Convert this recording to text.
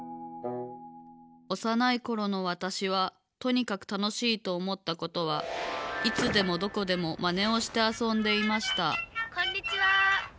おさないころのわたしはとにかくたのしいとおもったことはいつでもどこでもまねをしてあそんでいましたこんにちは。